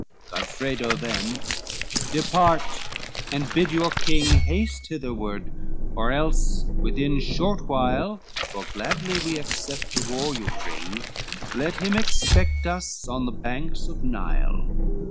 XCII Godfredo then: "Depart, and bid your king Haste hitherward, or else within short while,— For gladly we accept the war you bring,— Let him expect us on the banks of Nile."